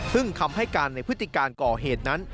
ซึ่งคำให้การในพฤติการก่อเหตุนั้น